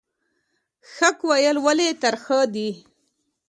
حق ویل ولې ترخه دي؟